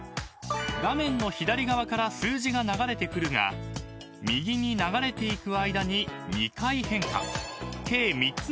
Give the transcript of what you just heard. ［画面の左側から数字が流れてくるが右に流れていく間に２回変化］